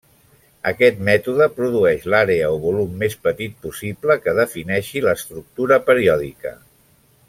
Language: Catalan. Aquest mètode produeix l'àrea o volum més petit possible que defineixi l'estructura periòdica.